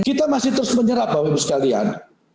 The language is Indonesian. kita masih terus menyerap bapak ibu sekalian